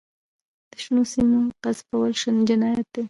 د شنو سیمو غصبول جنایت دی.